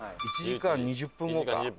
１時間２０分後か。